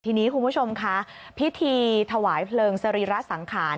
ทีนี้คุณผู้ชมค่ะพิธีถวายเพลิงสรีระสังขาร